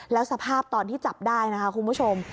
แล้วสภาพตอนที่จับได้นะคะคุณผู้ชม